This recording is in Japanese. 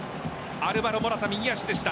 アルヴァロ・モラタ右足でした。